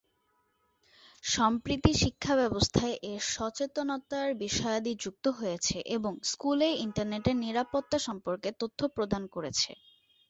সম্প্রতি শিক্ষা ব্যবস্থায় এর সচেতনতার বিষয়াদি যুক্ত হয়েছে এবং স্কুলে ইন্টারনেটের নিরাপত্তা সম্পর্কে তথ্য প্রদান করছে।